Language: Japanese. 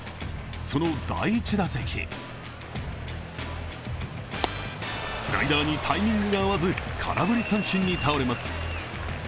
その第１打席、スライダーにタイミングが合わず空振り三振に倒れます。